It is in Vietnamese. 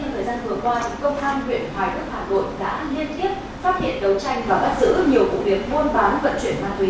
nhưng thời gian vừa qua công an huyện hải phòng hải bộ đã liên tiếp phát hiện đấu tranh và bắt giữ nhiều cụ điểm buôn bán vận chuyển ma túy